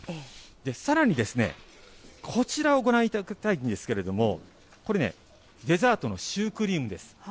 さらに、こちらをご覧いただきたいんですけれども、これ、デザートのシュークリームです。